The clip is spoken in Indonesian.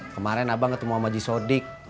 kemaren abang ketemu sama jisodik